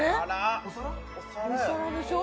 お皿でしょ？